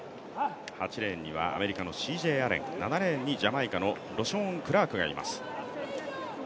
８レーンにはアメリカのＣＪ・アレンそして７レーンにジャマイカのロショーン・クラークがいます。